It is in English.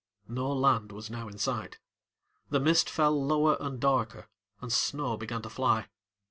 No land was now in sight. The mist fell lower and darker and snow began to fly.